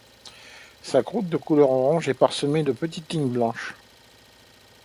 Sa croûte de couleur orange est parsemée de petites lignes blanches.